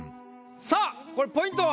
さあこれポイントは？